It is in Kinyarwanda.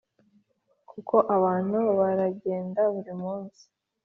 Nuko abantu baragenda buri munsi